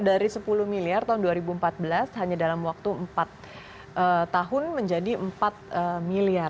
dari sepuluh miliar tahun dua ribu empat belas hanya dalam waktu empat tahun menjadi empat miliar